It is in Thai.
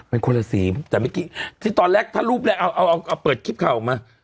มันคนละสีแต่เมื่อกี้ที่ตอนแรกถ้ารูปแรกเอาเอาเปิดคลิปข่าวออกมา